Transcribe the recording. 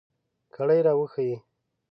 کړئ را ویښې